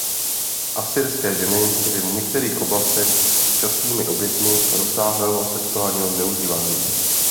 Asyrské ženy byly v některých oblastech častými oběťmi rozsáhlého sexuálního zneužívání.